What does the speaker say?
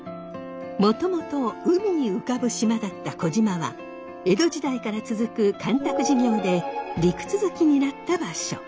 もともと海に浮かぶ島だった児島は江戸時代から続く干拓事業で陸続きになった場所。